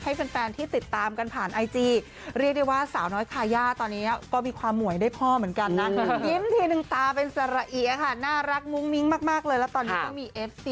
ให้แฟนที่ติดตามกันผ่านไอจี